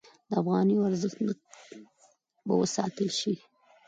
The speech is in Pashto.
د افغانیو ارزښت به وساتل شي؟